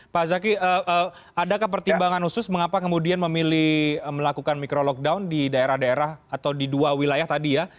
pak zaki adakah pertimbangan khusus mengapa kemudian memilih melakukan micro lockdown di daerah daerah atau di dua wilayah tadi ya